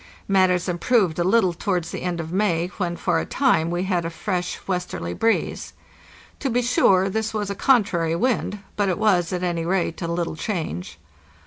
Matters improved a little towards the end of May, when for a time we had a fresh westerly breeze. To be sure this was a contrary wind, but it was, at any rate, a little change.